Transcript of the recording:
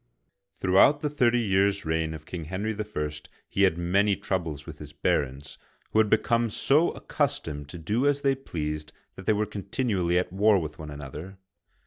Throughout the thirty years* reign of King Henry I., he had many troubles with his barons, who had become so accustomed to do as they pleased that they were continu ally at war with one another.